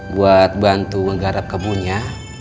buat bantu menggarap kebunnya